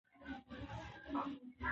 زه له ژوند څخه الحمدلله خوشحاله یم.